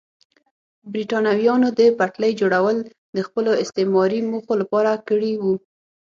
برېټانویانو د پټلۍ جوړول د خپلو استعماري موخو لپاره کړي وو.